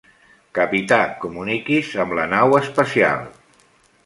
Capità, comuniqui's amb la nau espacial.